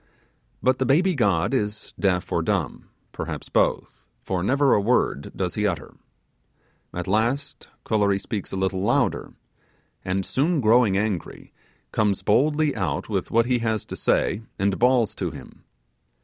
But the baby god is deaf or dumb, perhaps both, for never a word does, he utter. At last Kolory speaks a little louder, and soon growing angry, comes boldly out with what he has to say and bawls to him.